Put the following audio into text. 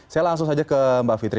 saya langsung saja ke mbak fitri